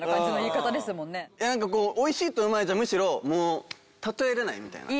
いやなんかこう「おいしい」と「うまい」じゃむしろもう例えられないみたいな。